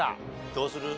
どうする？